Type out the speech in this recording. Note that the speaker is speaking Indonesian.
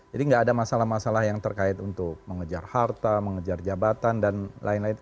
jadi nggak ada masalah masalah yang terkait untuk mengejar harta mengejar jabatan dan lain lain